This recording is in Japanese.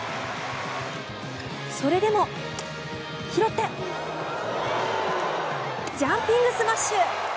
それでも、拾ってジャンピングスマッシュ。